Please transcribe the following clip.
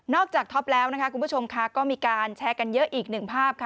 นอกจากท็อปแล้วก็มีการแชลกันเยอะอีกหนึ่งภาพ